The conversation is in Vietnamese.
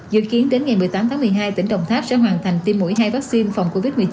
dự kiến đến ngày một mươi tám tháng một mươi hai tỉnh đồng tháp sẽ hoàn thành tiêm mũi hai vaccine phòng covid một mươi chín